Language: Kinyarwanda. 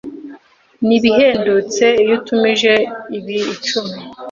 Nibihendutse iyo utumije ibi icumi.